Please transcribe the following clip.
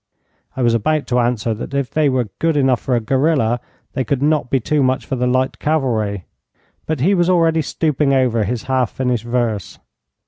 I was about to answer that if they were good enough for a guerilla, they could not be too much for the light cavalry, but he was already stooping over his half finished verse.